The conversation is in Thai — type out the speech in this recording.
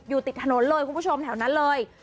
ติดถนนเลยคุณผู้ชมแถวนั้นเลย